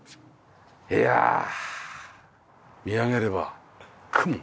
いやあ見上げれば雲。